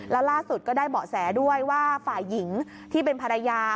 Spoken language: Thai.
แล้วล่าสุดก็ได้เบาะแสด้วยว่าฝ่ายหญิงที่เป็นภรรยา